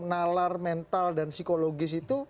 nalar mental dan psikologis itu